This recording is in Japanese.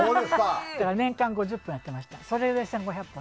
年間５０本とかやってました。